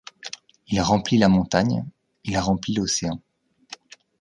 Il remplit la montagne, il remplit l'océan.